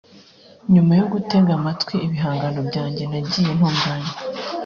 nyuma yogutega amatwi ibihangano byanjye nagiye ntunganya”